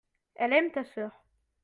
elle aime ta sœur.